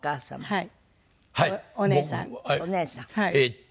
はい。